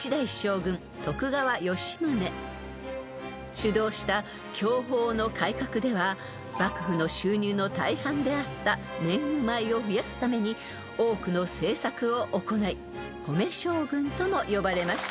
［主導した享保の改革では幕府の収入の大半であった年貢米を増やすために多くの政策を行い米将軍とも呼ばれました］